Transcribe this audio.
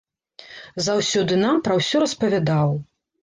Заўсёды нам пра усё распавядаў.